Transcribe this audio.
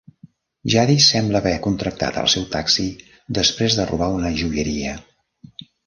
Jadis sembla haver "contractat" el seu taxi després de robar una joieria.